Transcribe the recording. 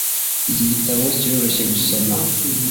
Iki gitabo kiroroshye gusoma